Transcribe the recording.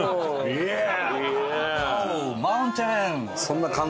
「イエーイ！」。